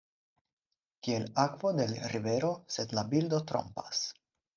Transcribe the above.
Kiel akvo de l’ rivero – sed la bildo trompas.